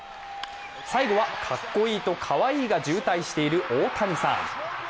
最後はかっこいいと、かわいいが渋滞している大谷さん。